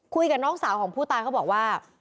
คุยกับน้องสาวของผู้ตายเขาบอกว่า